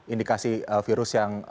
indikasi virus yang